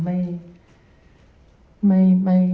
ไม่